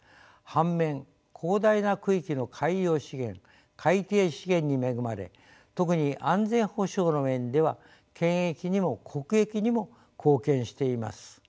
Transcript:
反面広大な区域の海洋資源海底資源に恵まれ特に安全保障の面では県益にも国益にも貢献しています。